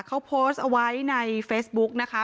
เขาโพสต์เอาไว้ในเฟซบุ๊กนะคะ